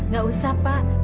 gak usah pa